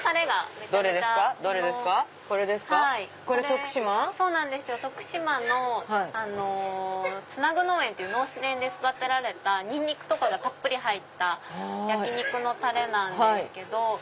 徳島のつなぐ農園っていう農園で育てられたニンニクとかがたっぷり入った焼き肉のタレなんですけど。